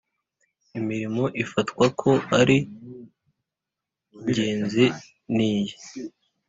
imirimo ifatwa ko ari ingenzi niyi